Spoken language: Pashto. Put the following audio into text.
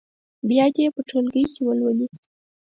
بیا دې یې په ټولګي کې ولولي.